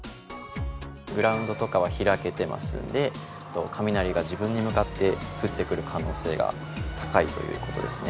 グラウンドとかは開けてますんで雷が自分に向かって振ってくる可能性が高いという事ですね。